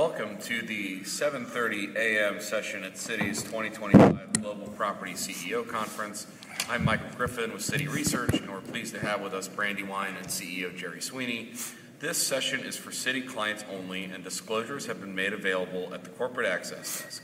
Welcome to the 7:30 A.M. session at Citi's 2025 Global Property CEO Conference. I'm Michael Griffin with Citi Research, and we're pleased to have with us Brandywine and CEO Jerry Sweeney. This session is for Citi clients only, and disclosures have been made available at the corporate access desk.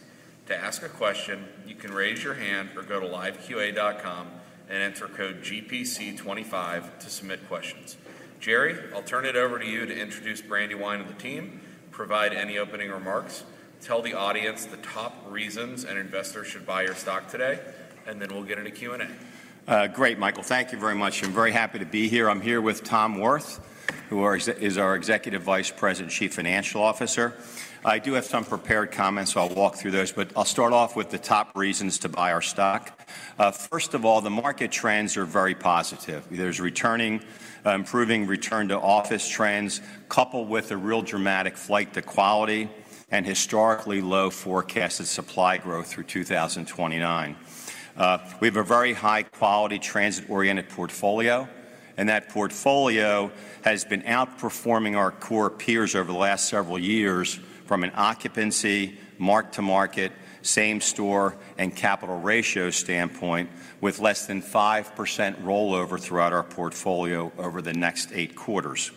To ask a question, you can raise your hand or go to liveqa.com and enter code GPC25 to submit questions. Jerry, I'll turn it over to you to introduce Brandywine and the team, provide any opening remarks, tell the audience the top reasons an investor should buy your stock today, and then we'll get into Q&A. Great, Michael. Thank you very much. I'm very happy to be here. I'm here with Tom Wirth, who is our Executive Vice President and Chief Financial Officer. I do have some prepared comments, so I'll walk through those, but I'll start off with the top reasons to buy our stock. First of all, the market trends are very positive. There's returning, improving return-to-office trends, coupled with a real dramatic flight to quality and historically low forecasted supply growth through 2029. We have a very high-quality, transit-oriented portfolio, and that portfolio has been outperforming our core peers over the last several years from an occupancy, mark-to-market, same-store, and capital ratio standpoint, with less than 5% rollover throughout our portfolio over the next eight quarters.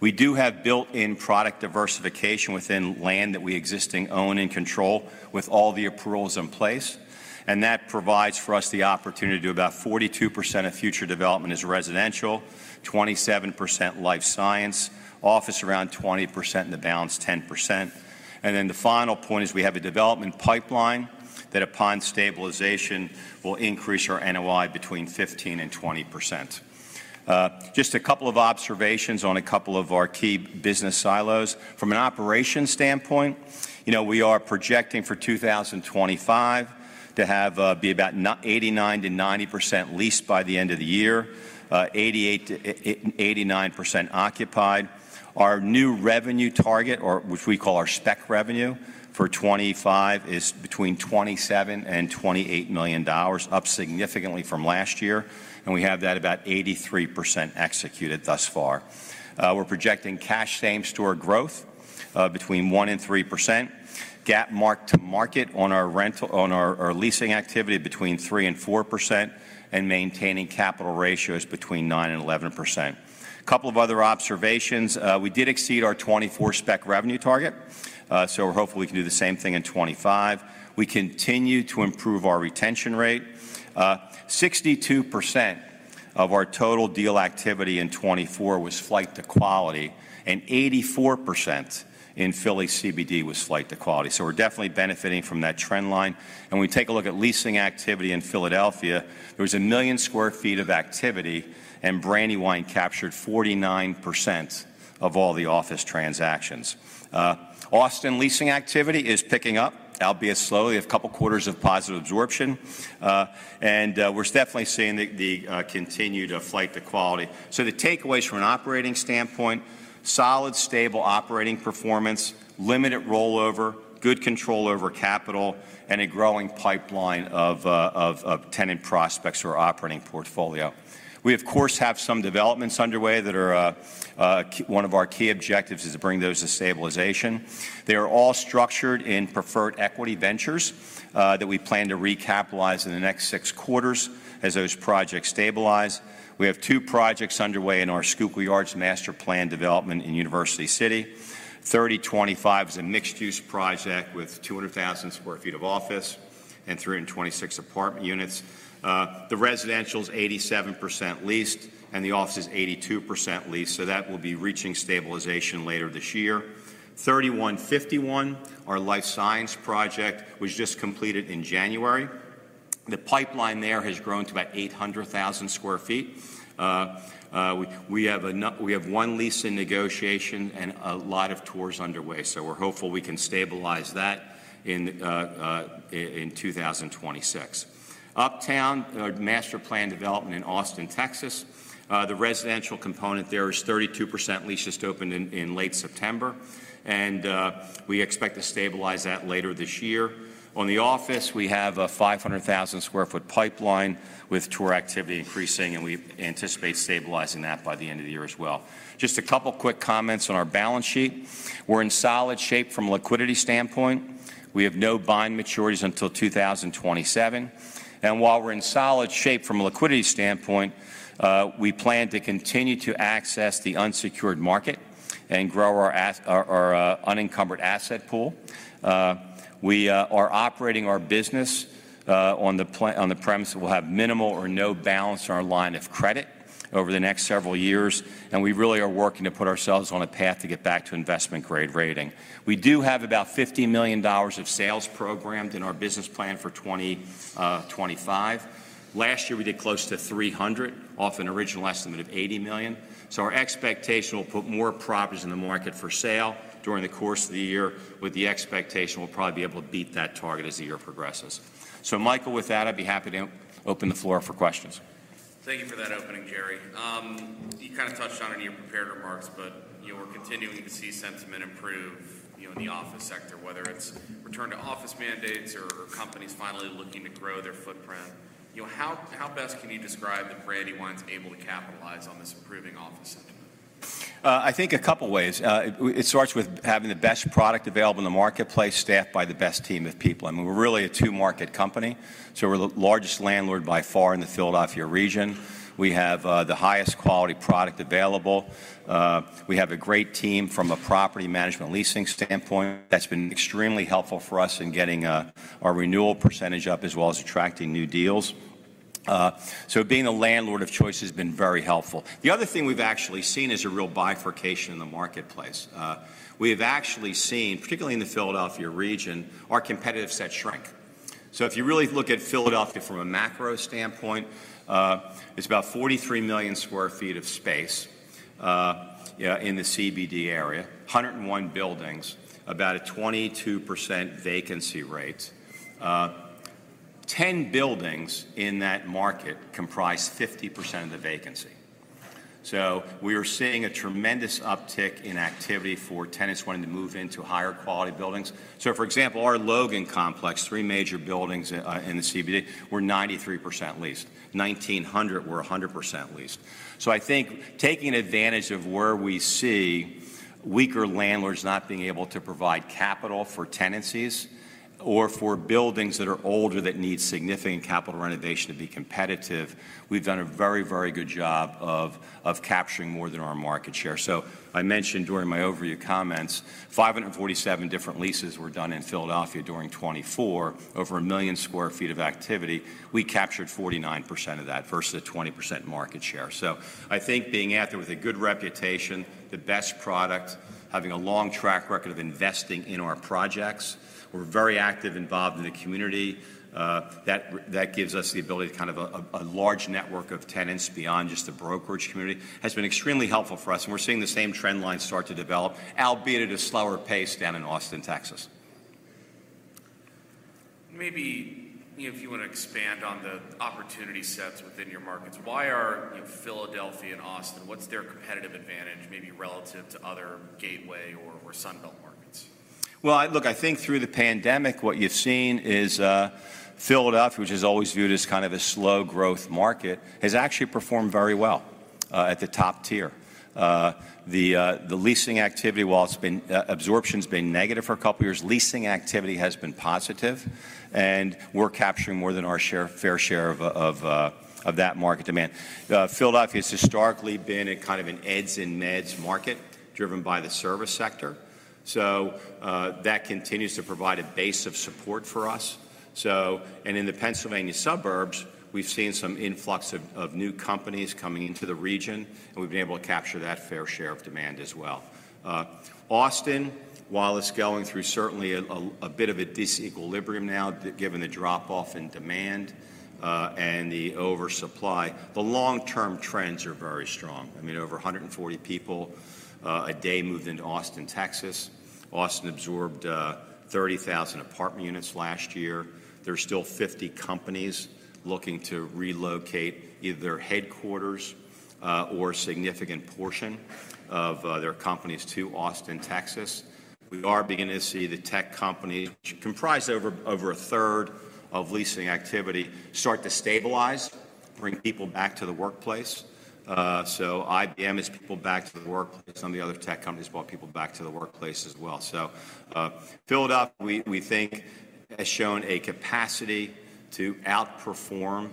We do have built-in product diversification within land that we existing own and control with all the approvals in place, and that provides for us the opportunity to do about 42% of future development as residential, 27% life science, office around 20%, and the balance 10%. The final point is we have a development pipeline that, upon stabilization, will increase our NOI between 15% and 20%. Just a couple of observations on a couple of our key business silos. From an operations standpoint, we are projecting for 2025 to be about 89%-90% leased by the end of the year, 88%-89% occupied. Our new revenue target, which we call our spec revenue for 2025, is between $27 million and $28 million, up significantly from last year, and we have that about 83% executed thus far. We're projecting cash same-store growth between 1% and 3%, GAP mark-to-market on our leasing activity between 3% and 4%, and maintaining capital ratios between 9% and 11%. A couple of other observations: we did exceed our 2024 spec revenue target, so hopefully we can do the same thing in 2025. We continue to improve our retention rate. 62% of our total deal activity in 2024 was flight to quality, and 84% in Philly CBD was flight to quality. We are definitely benefiting from that trend line. When we take a look at leasing activity in Philadelphia, there was 1 million sq ft of activity, and Brandywine captured 49% of all the office transactions. Austin leasing activity is picking up, albeit slowly, a couple quarters of positive absorption, and we are definitely seeing the continued flight to quality. The takeaways from an operating standpoint: solid, stable operating performance, limited rollover, good control over capital, and a growing pipeline of tenant prospects to our operating portfolio. We, of course, have some developments underway that are one of our key objectives is to bring those to stabilization. They are all structured in preferred equity ventures that we plan to recapitalize in the next six quarters as those projects stabilize. We have two projects underway in our Schuylkill Yards master plan development in University City. 3025 is a mixed-use project with 200,000 sq ft of office and 326 apartment units. The residential is 87% leased, and the office is 82% leased, so that will be reaching stabilization later this year. 3151, our life science project, was just completed in January. The pipeline there has grown to about 800,000 sq ft. We have one lease in negotiation and a lot of tours underway, so we're hopeful we can stabilize that in 2026. Uptown, our master plan development in Austin, Texas. The residential component there is 32% leased, just opened in late September, and we expect to stabilize that later this year. On the office, we have a 500,000 sq ft pipeline with tour activity increasing, and we anticipate stabilizing that by the end of the year as well. Just a couple quick comments on our balance sheet. We're in solid shape from a liquidity standpoint. We have no bond maturities until 2027. While we're in solid shape from a liquidity standpoint, we plan to continue to access the unsecured market and grow our unencumbered asset pool. We are operating our business on the premise that we'll have minimal or no balance on our line of credit over the next several years, and we really are working to put ourselves on a path to get back to investment-grade rating. We do have about $50 million of sales programmed in our business plan for 2025. Last year, we did close to $300 million, off an original estimate of $80 million. Our expectation will put more properties in the market for sale during the course of the year, with the expectation we'll probably be able to beat that target as the year progresses. Michael, with that, I'd be happy to open the floor for questions. Thank you for that opening, Jerry. You kind of touched on it in your prepared remarks, but we're continuing to see sentiment improve in the office sector, whether it's return-to-office mandates or companies finally looking to grow their footprint. How best can you describe that Brandywine's able to capitalize on this improving office sentiment? I think a couple ways. It starts with having the best product available in the marketplace, staffed by the best team of people. I mean, we're really a two-market company, so we're the largest landlord by far in the Philadelphia region. We have the highest quality product available. We have a great team from a property management leasing standpoint that's been extremely helpful for us in getting our renewal percentage up as well as attracting new deals. Being a landlord of choice has been very helpful. The other thing we've actually seen is a real bifurcation in the marketplace. We have actually seen, particularly in the Philadelphia region, our competitive set shrink. If you really look at Philadelphia from a macro standpoint, it's about 43 million sq ft of space in the CBD area, 101 buildings, about a 22% vacancy rate. Ten buildings in that market comprise 50% of the vacancy. We are seeing a tremendous uptick in activity for tenants wanting to move into higher quality buildings. For example, our Logan Complex, three major buildings in the CBD, were 93% leased. 1,900 were 100% leased. I think taking advantage of where we see weaker landlords not being able to provide capital for tenancies or for buildings that are older that need significant capital renovation to be competitive, we've done a very, very good job of capturing more than our market share. I mentioned during my overview comments, 547 different leases were done in Philadelphia during 2024 over a million sq ft of activity. We captured 49% of that versus a 20% market share. I think being out there with a good reputation, the best product, having a long track record of investing in our projects, we're very active and involved in the community. That gives us the ability to kind of a large network of tenants beyond just the brokerage community has been extremely helpful for us, and we're seeing the same trend line start to develop, albeit at a slower pace down in Austin, Texas. Maybe if you want to expand on the opportunity sets within your markets, why are Philadelphia and Austin, what's their competitive advantage maybe relative to other Gateway or Sunbelt markets? I think through the pandemic what you've seen is Philadelphia, which is always viewed as kind of a slow growth market, has actually performed very well at the top tier. The leasing activity, while absorption has been negative for a couple years, leasing activity has been positive, and we're capturing more than our fair share of that market demand. Philadelphia has historically been kind of an eds and meds market driven by the service sector, so that continues to provide a base of support for us. In the Pennsylvania suburbs, we've seen some influx of new companies coming into the region, and we've been able to capture that fair share of demand as well. Austin, while it's going through certainly a bit of a disequilibrium now given the drop-off in demand and the oversupply, the long-term trends are very strong. I mean, over 140 people a day moved into Austin, Texas. Austin absorbed 30,000 apartment units last year. There are still 50 companies looking to relocate either their headquarters or a significant portion of their companies to Austin, Texas. We are beginning to see the tech companies, which comprise over a third of leasing activity, start to stabilize, bring people back to the workplace. IBM has people back to the workplace, and some of the other tech companies brought people back to the workplace as well. Philadelphia, we think, has shown a capacity to outperform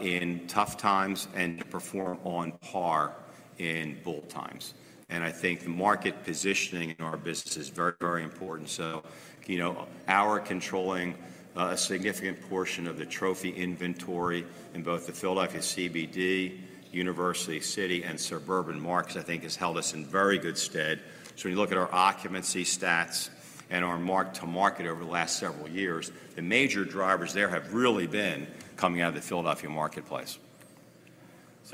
in tough times and to perform on par in bull times. I think the market positioning in our business is very, very important. Our controlling a significant portion of the trophy inventory in both the Philadelphia CBD, University City, and suburban markets, I think, has held us in very good stead. When you look at our occupancy stats and our mark-to-market over the last several years, the major drivers there have really been coming out of the Philadelphia marketplace.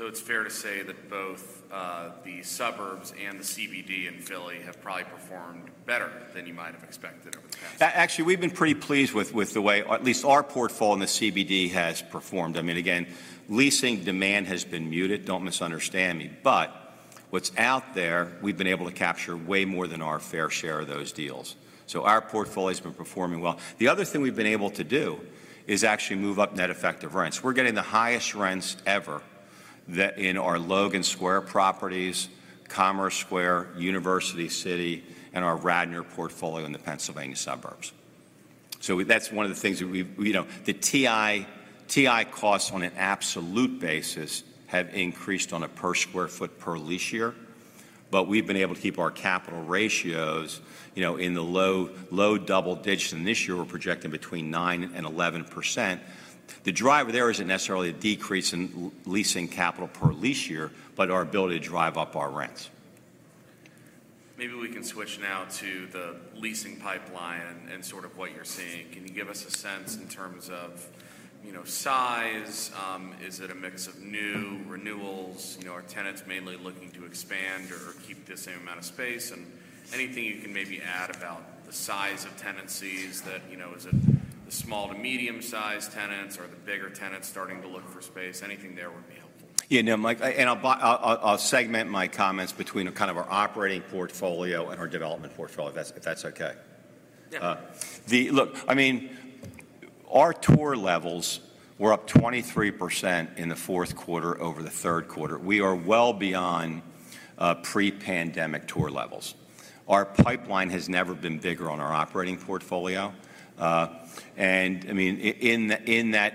It's fair to say that both the suburbs and the CBD in Philly have probably performed better than you might have expected over the past. Actually, we've been pretty pleased with the way at least our portfolio in the CBD has performed. I mean, again, leasing demand has been muted, don't misunderstand me, but what's out there, we've been able to capture way more than our fair share of those deals. Our portfolio has been performing well. The other thing we've been able to do is actually move up net effective rents. We're getting the highest rents ever in our Logan Square properties, Commerce Square, University City, and our Radnor portfolio in the Pennsylvania suburbs. That's one of the things that we've, the TI costs on an absolute basis have increased on a per sq ft per lease year, but we've been able to keep our capital ratios in the low double digits. This year, we're projecting between 9% and 11%. The driver there isn't necessarily a decrease in leasing capital per lease year, but our ability to drive up our rents. Maybe we can switch now to the leasing pipeline and sort of what you're seeing. Can you give us a sense in terms of size? Is it a mix of new renewals? Are tenants mainly looking to expand or keep the same amount of space? Anything you can maybe add about the size of tenancies? Is it the small to medium-sized tenants or the bigger tenants starting to look for space? Anything there would be helpful. Yeah, no, Mike, and I'll segment my comments between kind of our operating portfolio and our development portfolio, if that's okay. Look, I mean, our tour levels were up 23% in the fourth quarter over the third quarter. We are well beyond pre-pandemic tour levels. Our pipeline has never been bigger on our operating portfolio. I mean, in that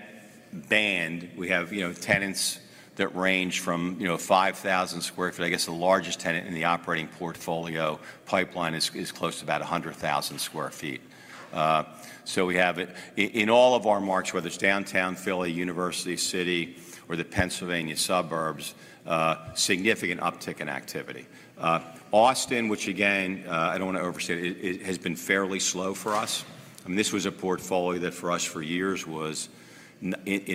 band, we have tenants that range from 5,000 sq ft. I guess the largest tenant in the operating portfolio pipeline is close to about 100,000 sq ft. We have it in all of our marks, whether it's downtown Philly, University City, or the Pennsylvania suburbs, significant uptick in activity. Austin, which again, I don't want to overstate it, has been fairly slow for us. I mean, this was a portfolio that for us for years was in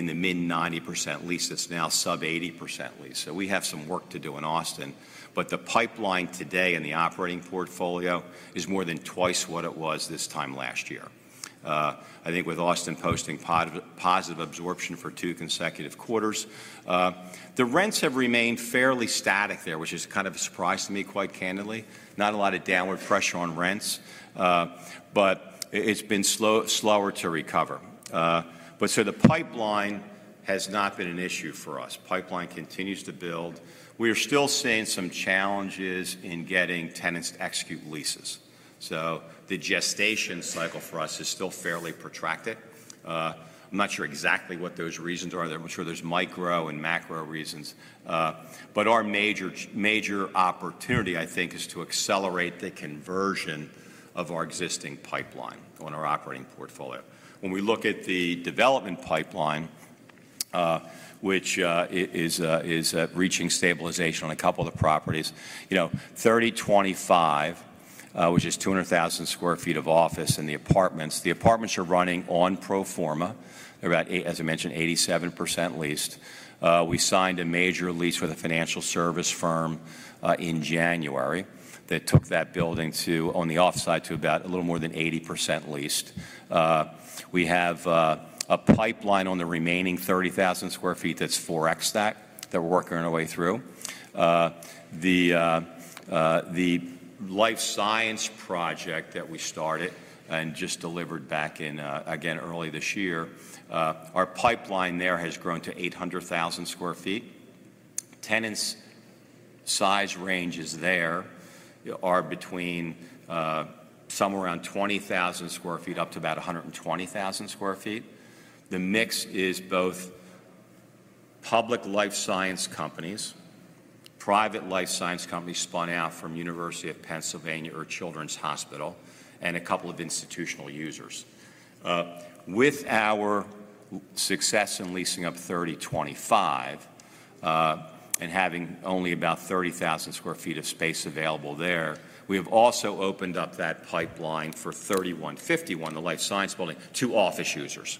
the mid 90% lease. It's now sub 80% lease. We have some work to do in Austin, but the pipeline today in the operating portfolio is more than twice what it was this time last year. I think with Austin posting positive absorption for two consecutive quarters, the rents have remained fairly static there, which is kind of a surprise to me, quite candidly. Not a lot of downward pressure on rents, but it's been slower to recover. The pipeline has not been an issue for us. Pipeline continues to build. We are still seeing some challenges in getting tenants to execute leases. The gestation cycle for us is still fairly protracted. I'm not sure exactly what those reasons are. I'm sure there's micro and macro reasons. Our major opportunity, I think, is to accelerate the conversion of our existing pipeline on our operating portfolio. When we look at the development pipeline, which is reaching stabilization on a couple of the properties, 3025, which is 200,000 sq ft of office and the apartments, the apartments are running on pro forma, as I mentioned, 87% leased. We signed a major lease with a financial service firm in January that took that building on the office side to about a little more than 80% leased. We have a pipeline on the remaining 30,000 sq ft that's 4X that we're working our way through. The life science project that we started and just delivered back in, again, early this year, our pipeline there has grown to 800,000 sq ft. Tenants' size range is there are between somewhere around 20,000 sq ft up to about 120,000 sq ft. The mix is both public life science companies, private life science companies spun out from University of Pennsylvania or Children's Hospital, and a couple of institutional users. With our success in leasing up 3025 and having only about 30,000 sq ft of space available there, we have also opened up that pipeline for 3151, the life science building, to office users.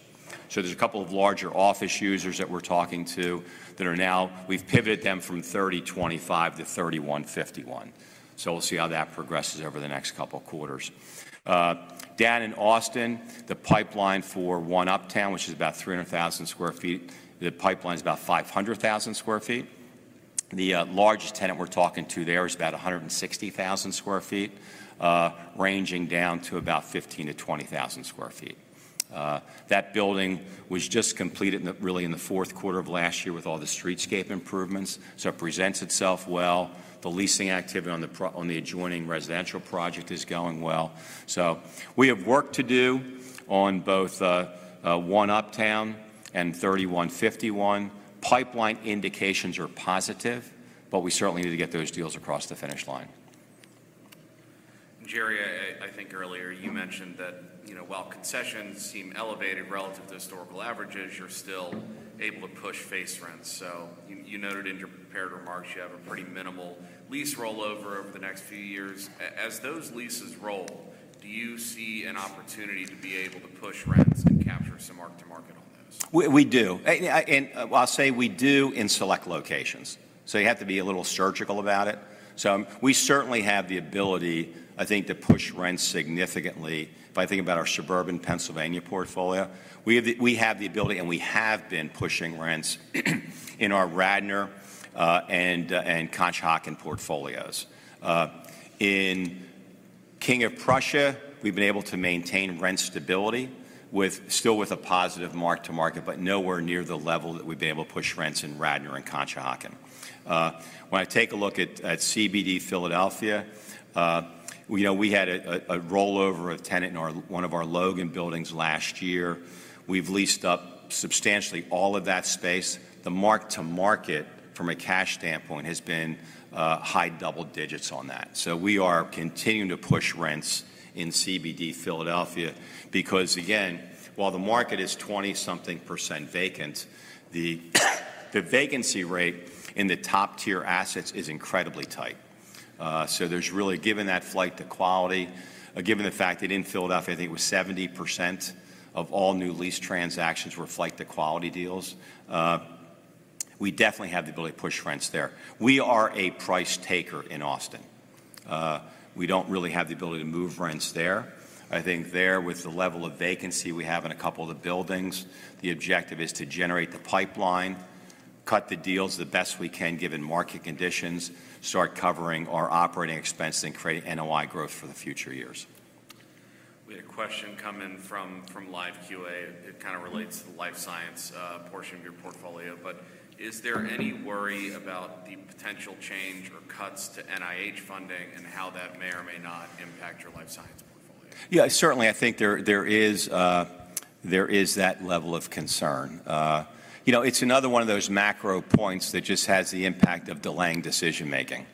There are a couple of larger office users that we're talking to that are now we've pivoted them from 3025 to 3151. We will see how that progresses over the next couple of quarters. Down in Austin, the pipeline for One Uptown, which is about 300,000 sq ft, the pipeline is about 500,000 sq ft. The largest tenant we're talking to there is about 160,000 sq ft, ranging down to about 15,000-20,000 sq ft. That building was just completed really in the fourth quarter of last year with all the streetscape improvements. It presents itself well. The leasing activity on the adjoining residential project is going well. We have work to do on both One Uptown and 3151. Pipeline indications are positive, but we certainly need to get those deals across the finish line. Jerry, I think earlier you mentioned that while concessions seem elevated relative to historical averages, you're still able to push face rents. You noted in your prepared remarks you have a pretty minimal lease rollover over the next few years. As those leases roll, do you see an opportunity to be able to push rents and capture some mark-to-market on those? We do. I'll say we do in select locations. You have to be a little surgical about it. We certainly have the ability, I think, to push rents significantly if I think about our suburban Pennsylvania portfolio. We have the ability, and we have been pushing rents in our Radnor and Conshohocken portfolios. In King of Prussia, we've been able to maintain rent stability still with a positive mark-to-market, but nowhere near the level that we've been able to push rents in Radnor and Conshohocken. When I take a look at CBD Philadelphia, we had a rollover of tenant in one of our Logan Square buildings last year. We've leased up substantially all of that space. The mark-to-market from a cash standpoint has been high double digits on that. We are continuing to push rents in CBD Philadelphia because, again, while the market is 20-something percent vacant, the vacancy rate in the top-tier assets is incredibly tight. There is really, given that flight to quality, given the fact that in Philadelphia, I think it was 70% of all new lease transactions were flight-to-quality deals, we definitely have the ability to push rents there. We are a price taker in Austin. We do not really have the ability to move rents there. I think there with the level of vacancy we have in a couple of the buildings, the objective is to generate the pipeline, cut the deals the best we can given market conditions, start covering our operating expenses, and create NOI growth for the future years. We had a question come in from Live QA. It kind of relates to the life science portion of your portfolio, but is there any worry about the potential change or cuts to NIH funding and how that may or may not impact your life science portfolio? Yeah, certainly I think there is that level of concern. It's another one of those macro points that just has the impact of delaying decision-making.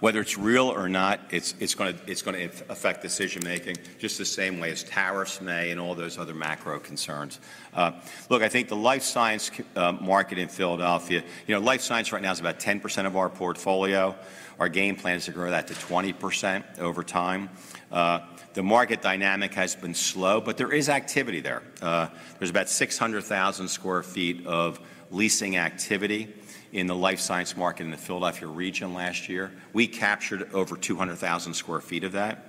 Whether it's real or not, it's going to affect decision-making just the same way as tariffs may and all those other macro concerns. Look, I think the life science market in Philadelphia, life science right now is about 10% of our portfolio. Our game plan is to grow that to 20% over time. The market dynamic has been slow, but there is activity there. There's about 600,000 sq ft of leasing activity in the life science market in the Philadelphia region last year. We captured over 200,000 sq ft of that.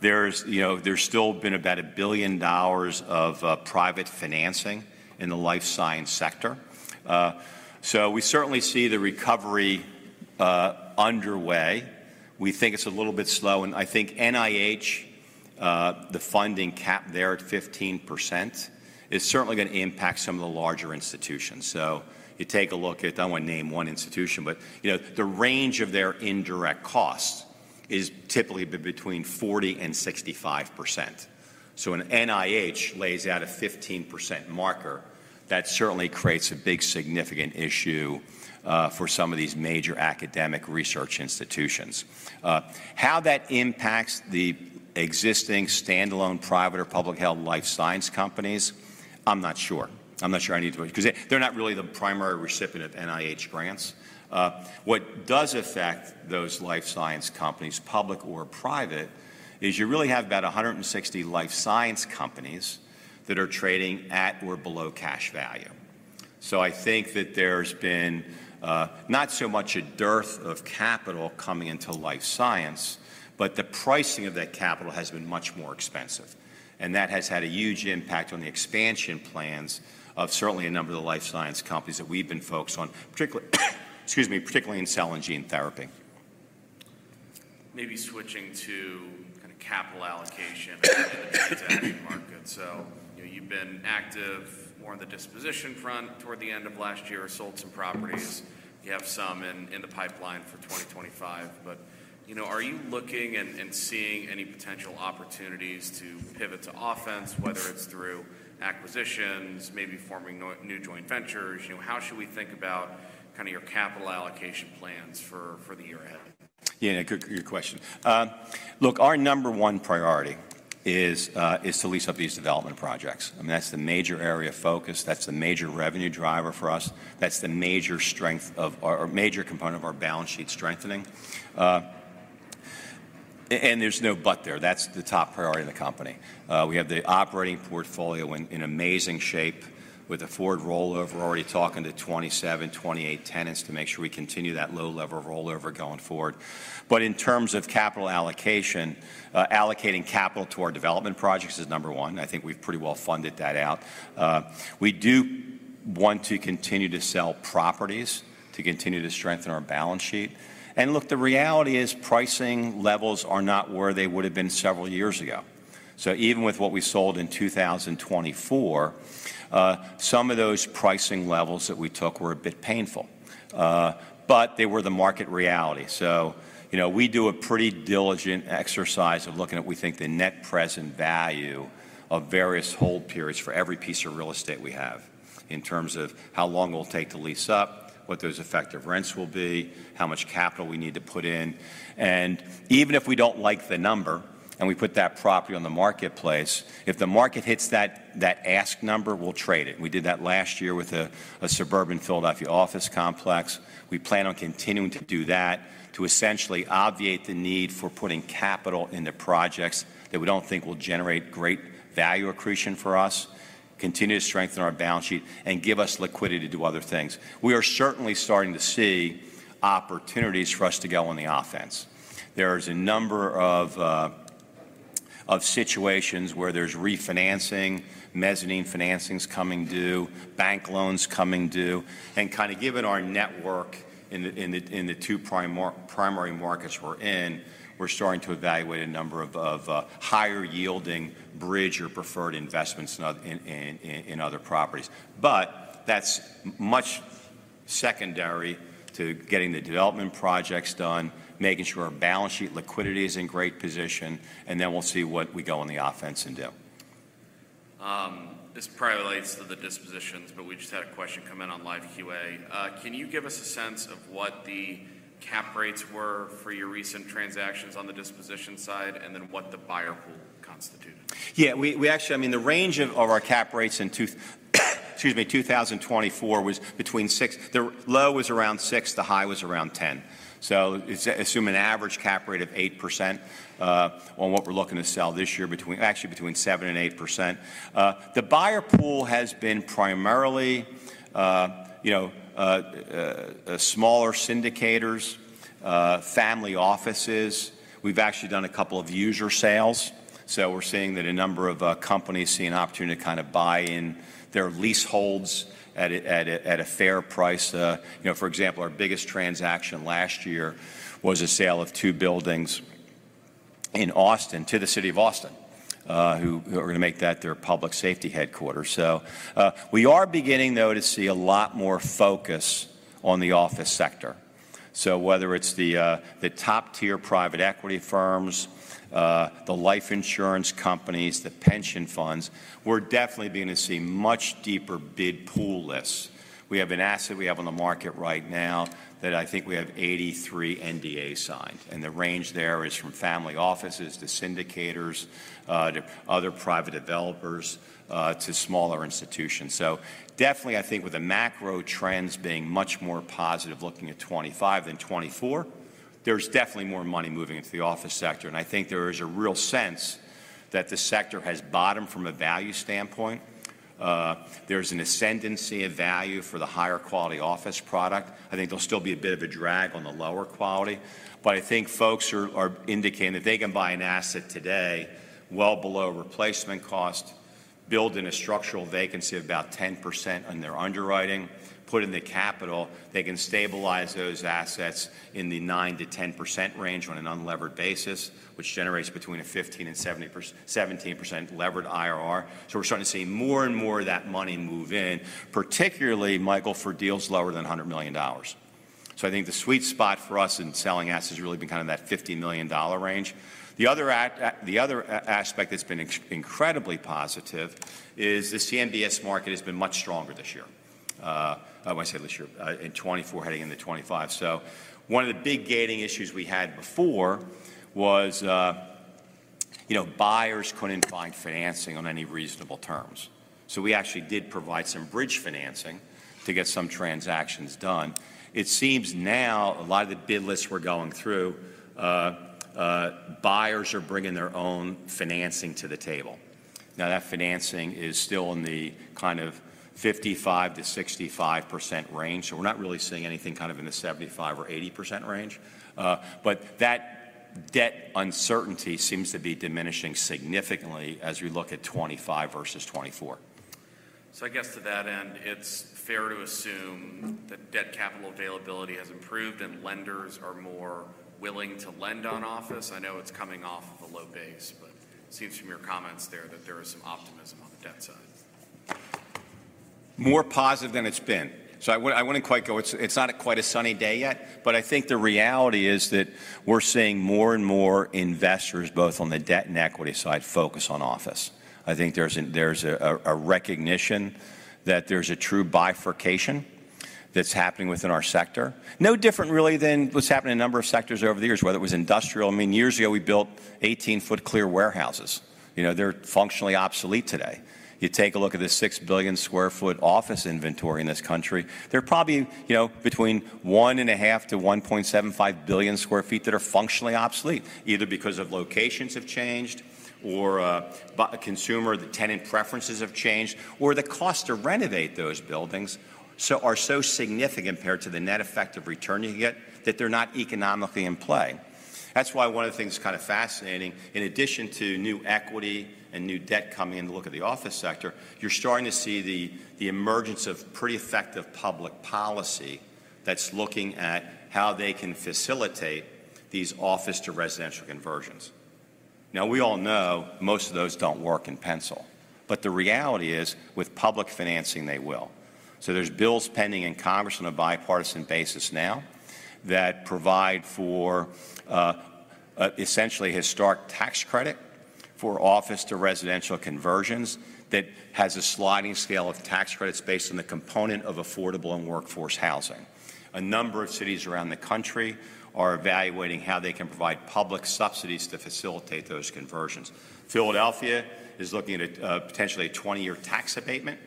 There's still been about $1 billion of private financing in the life science sector. So we certainly see the recovery underway. We think it's a little bit slow. I think NIH, the funding cap there at 15%, is certainly going to impact some of the larger institutions. You take a look at, I do not want to name one institution, but the range of their indirect cost is typically between 40% and 65%. When NIH lays out a 15% marker, that certainly creates a big significant issue for some of these major academic research institutions. How that impacts the existing standalone private or public health life science companies, I am not sure. I am not sure I need to because they are not really the primary recipient of NIH grants. What does affect those life science companies, public or private, is you really have about 160 life science companies that are trading at or below cash value. I think that there's been not so much a dearth of capital coming into life science, but the pricing of that capital has been much more expensive. That has had a huge impact on the expansion plans of certainly a number of the life science companies that we've been focused on, particularly in cell and gene therapy. Maybe switching to kind of capital allocation in the tech market. You've been active more on the disposition front toward the end of last year, sold some properties. You have some in the pipeline for 2025. Are you looking and seeing any potential opportunities to pivot to offense, whether it's through acquisitions, maybe forming new joint ventures? How should we think about kind of your capital allocation plans for the year ahead? Yeah, good question. Look, our number one priority is to lease up these development projects. I mean, that's the major area of focus. That's the major revenue driver for us. That's the major strength of our major component of our balance sheet strengthening. There's no but there. That's the top priority in the company. We have the operating portfolio in amazing shape with a forward rollover. We're already talking to 27-28 tenants to make sure we continue that low-level rollover going forward. In terms of capital allocation, allocating capital to our development projects is number one. I think we've pretty well funded that out. We do want to continue to sell properties to continue to strengthen our balance sheet. Look, the reality is pricing levels are not where they would have been several years ago. Even with what we sold in 2024, some of those pricing levels that we took were a bit painful, but they were the market reality. We do a pretty diligent exercise of looking at, we think, the net present value of various hold periods for every piece of real estate we have in terms of how long it will take to lease up, what those effective rents will be, how much capital we need to put in. Even if we do not like the number and we put that property on the marketplace, if the market hits that ask number, we will trade it. We did that last year with a suburban Philadelphia office complex. We plan on continuing to do that to essentially obviate the need for putting capital into projects that we do not think will generate great value accretion for us, continue to strengthen our balance sheet, and give us liquidity to do other things. We are certainly starting to see opportunities for us to go on the offense. There is a number of situations where there is refinancing, mezzanine financings coming due, bank loans coming due. Given our network in the two primary markets we are in, we are starting to evaluate a number of higher-yielding bridge or preferred investments in other properties. That is much secondary to getting the development projects done, making sure our balance sheet liquidity is in great position, and then we will see what we go on the offense and do. This probably relates to the dispositions, but we just had a question come in on Live QA. Can you give us a sense of what the cap rates were for your recent transactions on the disposition side and then what the buyer pool constituted? Yeah, we actually, I mean, the range of our cap rates in 2024 was between 6, the low was around 6, the high was around 10. Assume an average cap rate of 8% on what we're looking to sell this year, actually between 7-8%. The buyer pool has been primarily smaller syndicators, family offices. We've actually done a couple of user sales. We're seeing that a number of companies see an opportunity to kind of buy in their leaseholds at a fair price. For example, our biggest transaction last year was a sale of two buildings in Austin to the city of Austin who are going to make that their Public Safety Headquarters. We are beginning, though, to see a lot more focus on the office sector. Whether it's the top-tier Private Equity Firms, the Life Insurance Companies, the pension funds, we're definitely beginning to see much deeper bid pool lists. We have an asset we have on the market right now that I think we have 83 NDAs signed. The range there is from family offices to syndicators to other private developers to smaller institutions. Definitely, I think with the macro trends being much more positive looking at 2025 than 2024, there's definitely more money moving into the office sector. I think there is a real sense that the sector has bottomed from a value standpoint. There's an ascendancy of value for the higher quality office product. I think there'll still be a bit of a drag on the lower quality. I think folks are indicating if they can buy an asset today well below replacement cost, build in a structural vacancy of about 10% on their underwriting, put in the capital, they can stabilize those assets in the 9%-10% range on an unlevered basis, which generates between a 15%-17% levered IRR. We're starting to see more and more of that money move in, particularly, Michael, for deals lower than $100 million. I think the sweet spot for us in selling assets has really been kind of that $50 million range. The other aspect that's been incredibly positive is the CMBS market has been much stronger this year. I want to say this year, in 2024, heading into 2025. One of the big gating issues we had before was buyers couldn't find financing on any reasonable terms. We actually did provide some bridge financing to get some transactions done. It seems now a lot of the bid lists we're going through, buyers are bringing their own financing to the table. Now, that financing is still in the kind of 55%-65% range. We're not really seeing anything kind of in the 75% or 80% range. That debt uncertainty seems to be diminishing significantly as we look at 2025 versus 2024. I guess to that end, it's fair to assume that debt capital availability has improved and lenders are more willing to lend on office. I know it's coming off of a low base, but it seems from your comments there that there is some optimism on the debt side. More positive than it's been. I wouldn't quite go it's not quite a sunny day yet, but I think the reality is that we're seeing more and more investors, both on the debt and equity side, focus on office. I think there's a recognition that there's a true bifurcation that's happening within our sector. No different really than what's happened in a number of sectors over the years, whether it was industrial. I mean, years ago, we built 18-foot clear warehouses. They're functionally obsolete today. You take a look at the 6 billion sq ft office inventory in this country. There are probably between 1.5billion-1.75 billion sq ft that are functionally obsolete, either because locations have changed or consumer tenant preferences have changed or the cost to renovate those buildings are so significant compared to the net effective return you get that they're not economically in play. That's why one of the things that's kind of fascinating, in addition to new equity and new debt coming in to look at the office sector, you're starting to see the emergence of pretty effective public policy that's looking at how they can facilitate these office-to-residential conversions. Now, we all know most of those don't work in pencil, but the reality is with public financing, they will. There are bills pending in Congress on a bipartisan basis now that provide for essentially a historic tax credit for office-to-residential conversions that has a sliding scale of tax credits based on the component of affordable and workforce housing. A number of cities around the country are evaluating how they can provide public subsidies to facilitate those conversions. Philadelphia is looking at potentially a 20-year tax abatement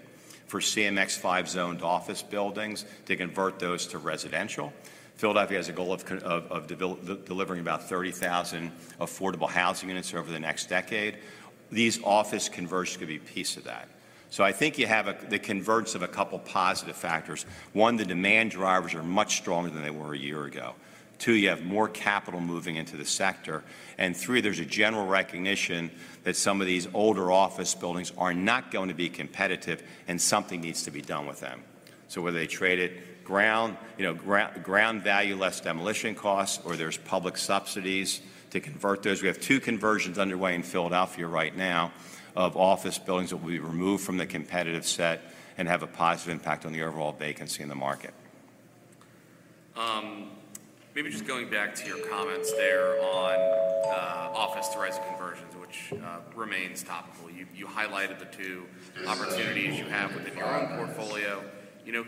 for CMX-5 zoned office buildings to convert those to residential. Philadelphia has a goal of delivering about 30,000 affordable housing units over the next decade. These office conversions could be pieces of that. I think you have the convergence of a couple of positive factors. One, the demand drivers are much stronger than they were a year ago. Two, you have more capital moving into the sector. Three, there's a general recognition that some of these older office buildings are not going to be competitive and something needs to be done with them. Whether they trade at ground value less demolition costs, or there's public subsidies to convert those. We have two conversions underway in Philadelphia right now of office buildings that will be removed from the competitive set and have a positive impact on the overall vacancy in the market. Maybe just going back to your comments there on office-to-resident conversions, which remains topical. You highlighted the two opportunities you have within your own portfolio.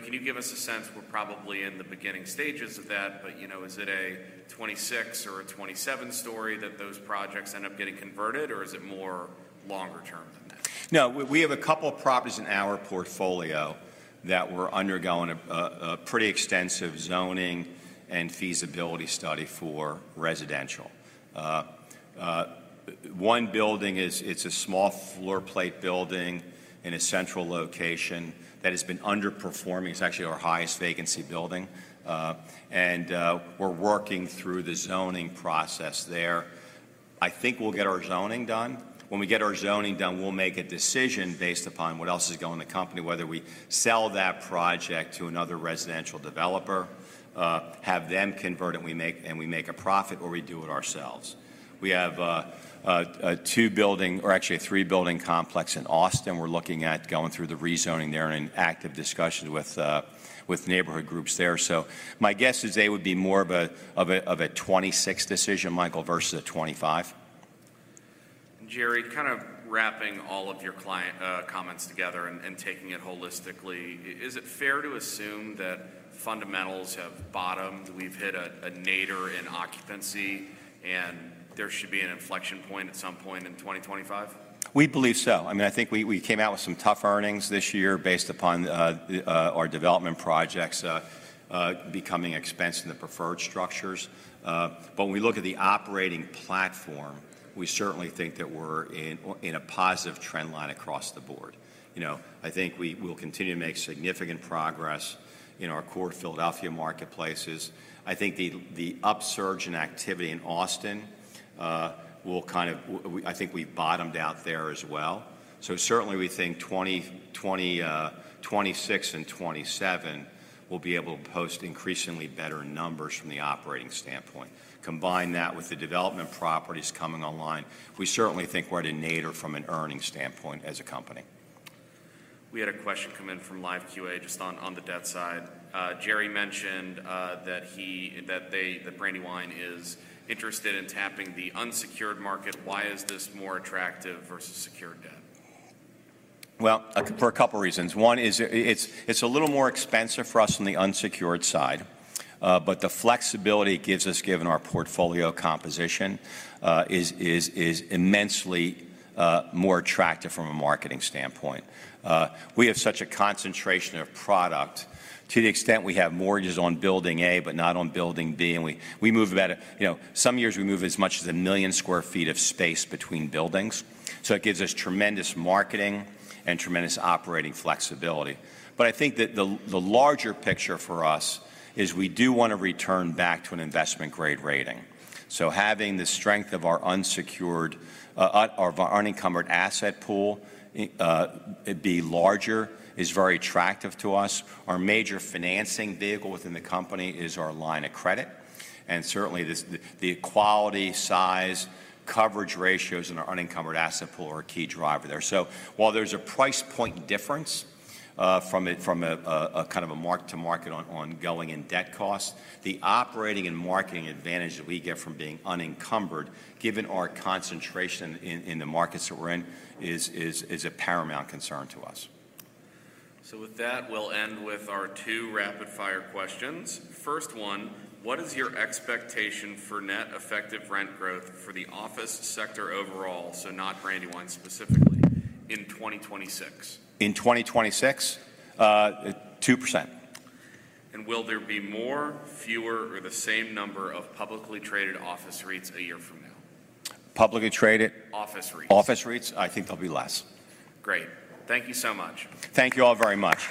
Can you give us a sense? We're probably in the beginning stages of that, but is it a 26 or a 27 story that those projects end up getting converted, or is it more longer term than that? No, we have a couple of properties in our portfolio that we're undergoing a pretty extensive zoning and feasibility study for residential. One building, it's a small floorplate building in a central location that has been underperforming. It's actually our highest vacancy building. We're working through the zoning process there. I think we'll get our zoning done. When we get our zoning done, we'll make a decision based upon what else is going in the company, whether we sell that project to another residential developer, have them convert it, and we make a profit, or we do it ourselves. We have two building, or actually a three-building complex in Austin. We're looking at going through the rezoning there and in active discussions with neighborhood groups there. My guess is they would be more of a 2026 decision, Michael, versus a 2025. Jerry, kind of wrapping all of your comments together and taking it holistically, is it fair to assume that fundamentals have bottomed? We've hit a nadir in occupancy, and there should be an inflection point at some point in 2025? We believe so. I mean, I think we came out with some tough earnings this year based upon our development projects becoming expensive in the preferred structures. When we look at the operating platform, we certainly think that we're in a positive trend line across the board. I think we'll continue to make significant progress in our core Philadelphia marketplaces. I think the upsurge in activity in Austin will kind of, I think we bottomed out there as well. We think 2026 and 2027 will be able to post increasingly better numbers from the operating standpoint. Combine that with the development properties coming online, we certainly think we're at a nadir from an earnings standpoint as a company. We had a question come in from Live QA just on the debt side. Jerry mentioned that Brandywine is interested in tapping the unsecured market. Why is this more attractive versus secured debt? For a couple of reasons. One is it's a little more expensive for us on the unsecured side, but the flexibility it gives us given our portfolio composition is immensely more attractive from a marketing standpoint. We have such a concentration of product to the extent we have mortgages on building A, but not on building B. We move about, some years we move as much as 1 million sq ft of space between buildings. It gives us tremendous marketing and tremendous operating flexibility. I think that the larger picture for us is we do want to return back to an investment-grade rating. Having the strength of our unsecured, our unencumbered asset pool be larger is very attractive to us. Our major financing vehicle within the company is our line of credit. Certainly, the quality, size, coverage ratios in our unencumbered asset pool are a key driver there. While there is a price point difference from a kind of a mark-to-market on going in debt costs, the operating and marketing advantage that we get from being unencumbered, given our concentration in the markets that we are in, is a paramount concern to us. With that, we'll end with our two rapid-fire questions. First one, what is your expectation for net effective rent growth for the office sector overall, so not Brandywine specifically, in 2026? In 2026? 2%. Will there be more, fewer, or the same number of publicly traded office REITs a year from now? Publicly traded? Office rates. Office rates, I think there'll be less. Great. Thank you so much. Thank you all very much.